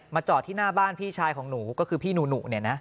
มาจอดที่หน้าบ้านพี่ชายของหนูก็คือพี่หนู